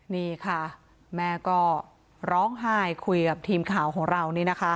นี่ค่ะแม่ก็ร้องไห้คุยกับทีมข่าวของเรานี่นะคะ